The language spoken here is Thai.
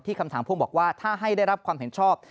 คำถามพ่วงบอกว่าถ้าให้ได้รับความเห็นชอบ